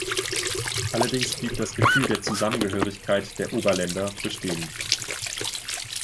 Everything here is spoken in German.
Allerdings blieb das Gefühl der Zusammengehörigkeit der «Oberländer» bestehen.